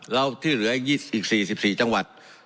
ที่เหลืออีก๔๔จังหวัด